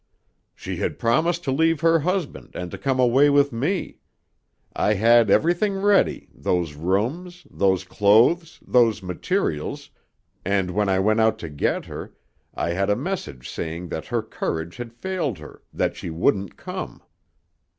"She had promised to leave her husband and to come away with me. I had everything ready, those rooms, those clothes, those materials, and when I went out to get her, I had a message saying that her courage had failed her, that she wouldn't come."